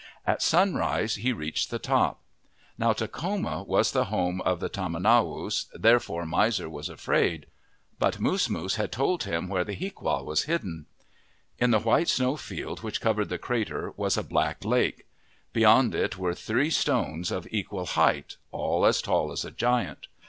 At sunrise he reached the top. Now Takhoma was the home of the tom anowos, therefore Miser was afraid. But Moosmoos had told him where the hiaqua was hidden. In the white snow field which covered the crater was a black lake. Beyond it were three stones of equal height, all as tall as a giant.